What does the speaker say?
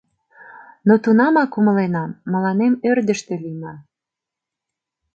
Но тунамак умыленам – мыланем ӧрдыжтӧ лийман.